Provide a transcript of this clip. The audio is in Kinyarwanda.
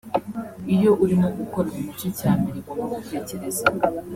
iyo urimo gukora ni nacyo cya mbere ugomba gutekerezaho